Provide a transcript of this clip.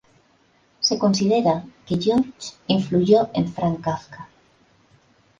Se considera que George influyó en Franz Kafka.